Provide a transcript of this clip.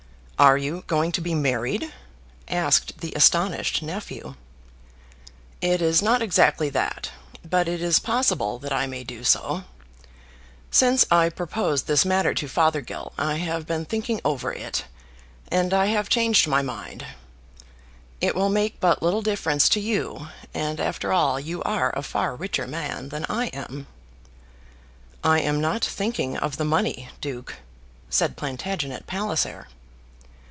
"Are you going to be married?" asked the astonished nephew. "It is not exactly that, but it is possible that I may do so. Since I proposed this matter to Fothergill, I have been thinking over it, and I have changed my mind. It will make but little difference to you; and after all you are a far richer man than I am." "I am not thinking of money, Duke," said Plantagenet Palliser.